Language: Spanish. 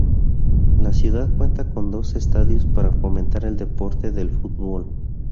La ciudad cuenta con dos estadios para fomentar el deporte del fútbol.